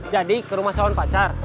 jadi ke rumah calon pacar